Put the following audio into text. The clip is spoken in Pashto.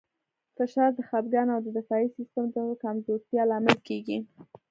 فشار د خپګان او د دفاعي سیستم د کمزورتیا لامل کېږي.